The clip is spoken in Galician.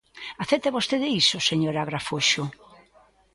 ¿Acepta vostede iso, señora Agrafoxo?